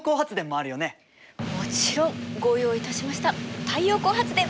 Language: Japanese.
もちろん！ご用意いたしました太陽光発電。